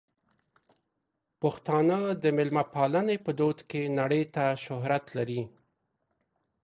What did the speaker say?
پښتانه د مېلمه پالنې په دود کې نړۍ ته شهرت لري.